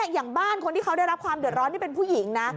อย่างบ้านคนที่เขาได้รับความเดือดร้อนนี่เป็นผู้หญิงนะ